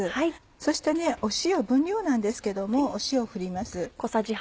そして塩分量なんですけども塩を振ります。